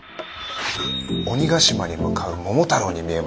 鬼ヶ島に向かう桃太郎に見えますよ。